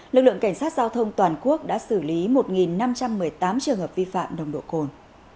lực lượng cảnh sát giao thông toàn quốc đã xử lý một năm trăm một mươi tám trường hợp vi phạm nồng độ cồn